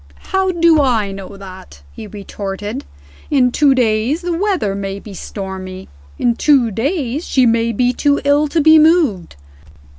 "How do I know that?" he retorted. "In two days the weather may be stormy. In two days she may be too ill to be moved.